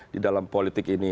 di dalam politik ini